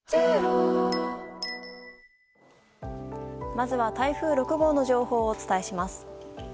まずは、台風６号の情報をお伝えします。